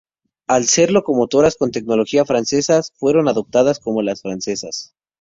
Al ser locomotoras con tecnología francesa fueron apodadas como las "francesas".